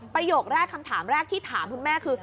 ประโยคแรกคำถามแรกที่ถามคุณแม่คือ